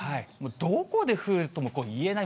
どこで降るとも言えない、